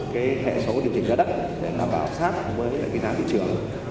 cái hệ số điều chỉnh ra đất để đảm bảo sát với cái năng thị trường